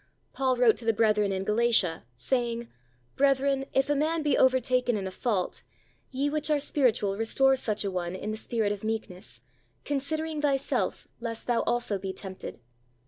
Paul wrote to the brethren in Galatia, saying, "Brethren, if a man be over taken in a fault, ye which are spiritual restore such an one in the spirit of meekness, con sidering thyself, lest thou also be tempted."